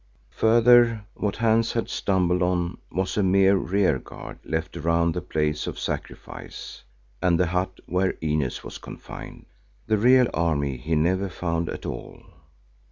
Further, what Hans had stumbled on was a mere rear guard left around the place of sacrifice and the hut where Inez was confined. The real army he never found at all.